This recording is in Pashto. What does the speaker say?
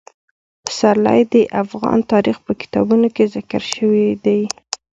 پسرلی د افغان تاریخ په کتابونو کې ذکر شوی دي.